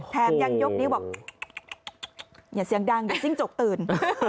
แทมยั่งยกนี่บอกอย่าเสียงดังอย่าซิ่งจกตื่น